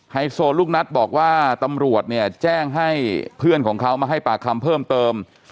ไฮโซลูกนัทบอกว่าตำรวจเนี่ยแจ้งให้เพื่อนของเขามาให้ปากคำเพิ่มเติม